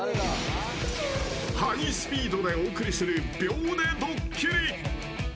ハイスピードでお送りする秒でドッキリ。